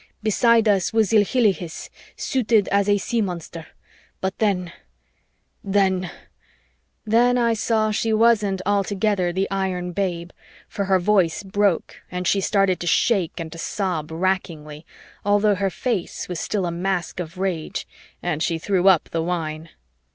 Beside us was Ilhilihis, suited as a sea monster. But then ... then ..." Then I saw she wasn't altogether the iron babe, for her voice broke and she started to shake and to sob rackingly, although her face was still a mask of rage, and she threw up the wine.